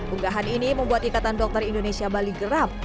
unggahan ini membuat ikatan dokter indonesia bali geram